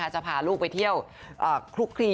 จะพาลูกไปเที่ยวคลุกคลี